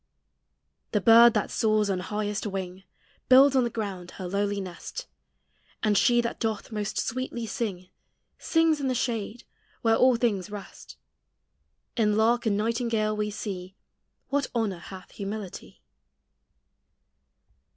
The bird that soars on highest wing Builds on the ground her lowly nest; And she that doth most sweetly sing Sings in the shade, where all things rest; In lark and nightingale we see What honor hath humility.